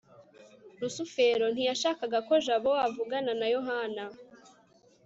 rusufero ntiyashakaga ko jabo avugana na yohana